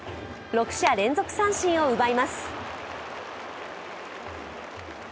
６者連続三振を奪います。